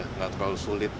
tidak terlalu sulit